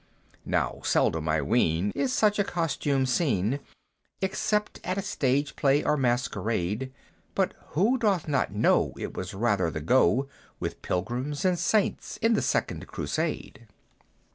Now seldom, I ween, is such costume seen, Except at a stage play or masquerade; But who doth not know it was rather the go With Pilgrims and Saints in the second Crusade?